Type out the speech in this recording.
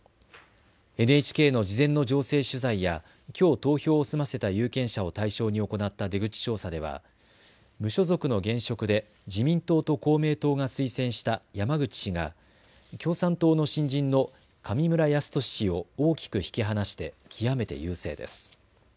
ＮＨＫの事前の情勢取材やきょう投票を済ませた有権者を対象に行った出口調査では無所属の現職で自民党と公明党が推薦した山口氏が共産党の新人の上村泰稔氏を大きく引き離して極めて優勢です。